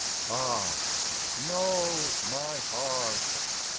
Ah, no, my heart!